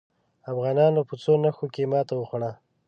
افغانانو په څو نښتو کې ماته وخوړه.